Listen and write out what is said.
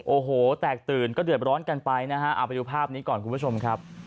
โอ้โหแตกตื่นก็เดือดร้อนกันไปนะฮะเอาไปดูภาพนี้ก่อนคุณผู้ชมครับ